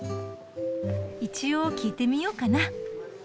一応聞いてみようかな。